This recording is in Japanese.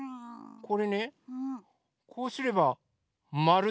これねこうすればまるでしょ！